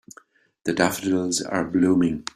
The daffodils are blooming.